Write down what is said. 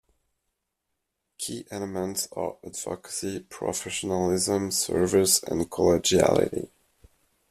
Key elements are advocacy, professionalism, service and collegiality.